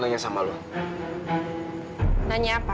ada lagi di sini dari buka